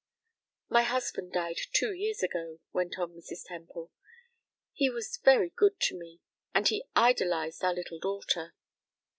"My husband died two years ago," went on Mrs. Temple. "He was very good to me, and he idolized our little daughter."